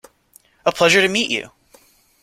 A pleasure to meet you.